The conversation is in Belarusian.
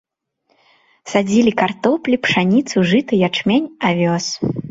Садзілі картоплі, пшаніцу, жыта, ячмень, авёс.